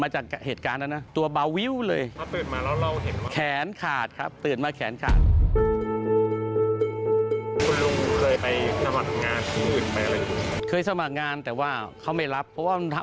จังว่านะแล้วก็ยอมรับสภาพตัวเองว่า